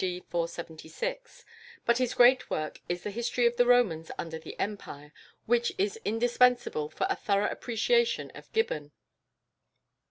D. 476; but his great work is the "History of the Romans under the Empire," which is indispensable for a thorough appreciation of Gibbon.